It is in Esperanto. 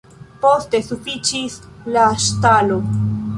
Poste sufiĉis la ŝtalo.